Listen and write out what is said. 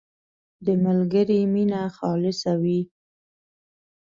• د ملګري مینه خالصه وي.